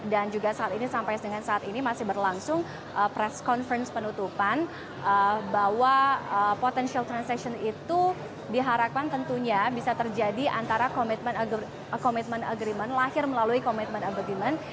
dan juga saat ini sampai dengan saat ini masih berlangsung press conference penutupan bahwa potential transaction itu diharapkan tentunya bisa terjadi antara commitment agreement lahir melalui commitment agreement